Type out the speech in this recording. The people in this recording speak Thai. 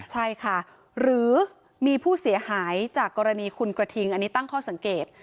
ใช่ค่ะหรือมีผู้เสียหายจากกรณีคุณกระทิงอันนี้ตั้งข้อสังเกต